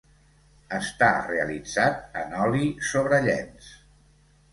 Està realitzat en oli sobre llenç.